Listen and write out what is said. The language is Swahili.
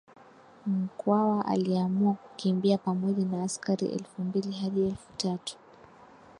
Mkwawa aliamua kukimbia pamoja na askari elfu mbili hadi elfu tatu